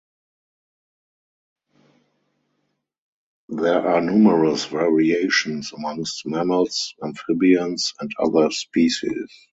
There are numerous variations amongst mammals, amphibians and other species.